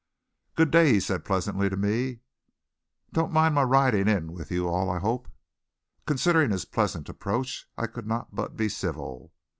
"Good day," he said pleasantly to me. "Don't mind my ridin' in with you all, I hope?" Considering his pleasant approach, I could not but be civil.